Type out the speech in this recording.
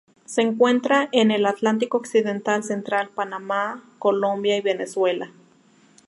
Se encuentra en el Atlántico occidental central: Panamá, Colombia y Venezuela.